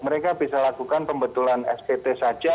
mereka bisa lakukan pembetulan spt saja